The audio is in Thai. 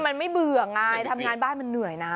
มันไม่เบื่อไงทำงานบ้านมันเหนื่อยนะ